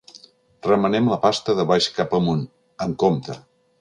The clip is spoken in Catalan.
Remenem la pasta de baix cap amunt, amb compte.